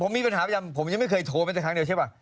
ผมมีปัญหาประจำผมยังไม่เคยโทรไปแต่ครั้งเดียวใช่ป่ะ